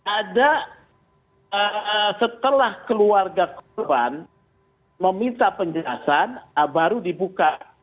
ada setelah keluarga korban meminta penjelasan baru dibuka